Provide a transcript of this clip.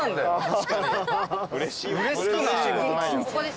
うれしくない？